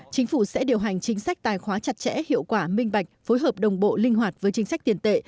chính phủ sẽ điều hành chính sách tài khoá chặt chẽ hiệu quả minh bạch phối hợp đồng bộ linh hoạt với chính sách tiền tệ